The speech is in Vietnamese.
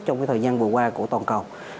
trong thời gian vừa qua của toàn cầu